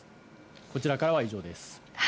こちらからは以上です。